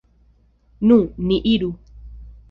Nu, ni iru.